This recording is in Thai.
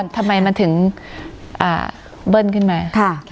ถามายละถึงอ่าขึ้นมาค่ะ